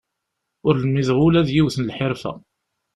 Ur lmideɣ ula d yiwet n lḥirfa.